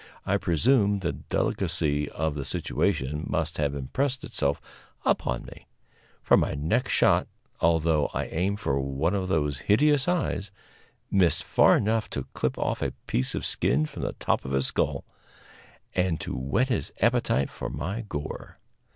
I presume the delicacy of the situation must have impressed itself upon me; for my next shot, although I aimed for one of those hideous eyes, missed far enough to clip off a piece of skin from the top of his skull and to whet his appetite for my gore.